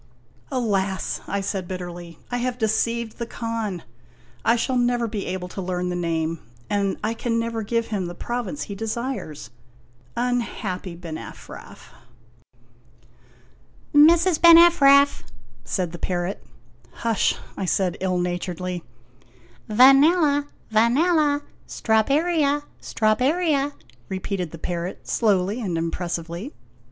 " Alas !" I said bitterly, " I have deceived the Khan ! I shall never be able to learn the name and I can never give him the province he desires. Unhappy ben Ephraf !'" Mrs. ben Ephraf! " said the parrot. " Hush !' I said ill naturedly. 124 OIAGINOTIONS " Vanella, Vanella ; Strawberria, Strawberria !' repeated the parrot slowly and impressively.